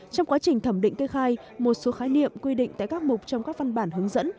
trong quá trình thẩm định cây khai một số khái niệm quy định tại các mục trong các văn bản hướng dẫn